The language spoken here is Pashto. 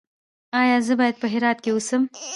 ایا زه باید په هرات کې اوسم؟